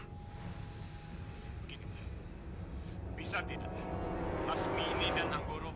beginilah bisa tidak lasmini dan anggoroh